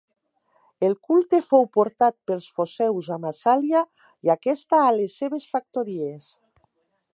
El culte fou portat pels foceus a Massàlia i aquesta a les seves factories.